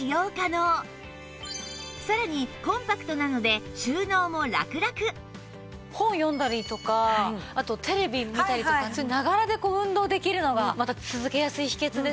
さらに本読んだりとかあとテレビ見たりとかながらで運動できるのがまた続けやすい秘訣ですよね。